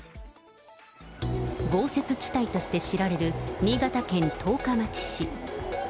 豪雪地帯として知られる新潟県十日町市。